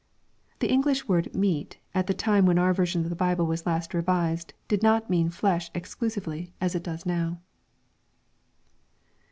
The English word " meat," at the time when oiir version of the Bible was last revised, did not mean " flesh" exclusively, as it does now.